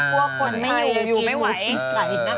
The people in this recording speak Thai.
พวกคนใครกินหมูกินไก่น่ารัก